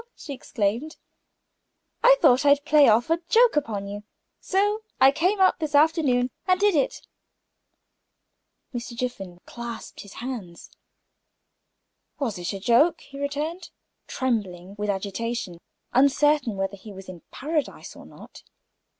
she exclaimed. "I thought I'd play off a joke upon you, so I came out this afternoon and did it." Mr. Jiffin clasped his hands. "Was it a joke" he returned, trembling with agitation, uncertain whether he was in paradise or not.